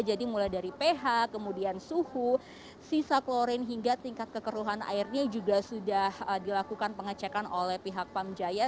jadi mulai dari ph kemudian suhu sisa klorin hingga tingkat kekeruhan airnya juga sudah dilakukan pengecekan oleh pihak pam jaya